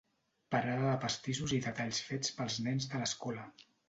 Parada de pastissos i detalls fets pels nens de l'escola.